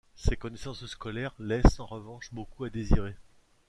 Ses connaissances scolaires laissent en revanche beaucoup à désirer.